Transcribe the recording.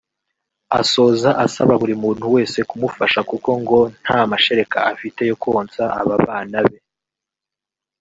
Asoza asaba buri muntu wese kumufasha kuko ngo nta mashereka afite yo konsa aba bana be